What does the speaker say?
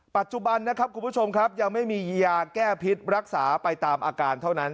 ปัจจุบันนะครับคุณผู้ชมครับยังไม่มียาแก้พิษรักษาไปตามอาการเท่านั้น